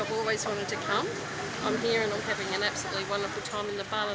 saya berada di sini dan saya mengalami waktu yang sangat menyenangkan